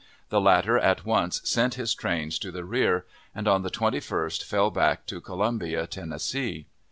The latter at once sent his trains to the rear, and on the 21st fell back to Columbia, Tennessee.